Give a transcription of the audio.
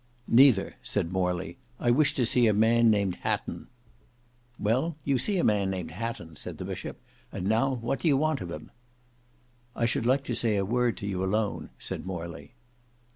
"Neither," said Morley; "I wish to see a man named Hatton." "Well, you see a man named Hatton," said the bishop; "and now what do want of him?" "I should like to say a word to you alone," said Morley.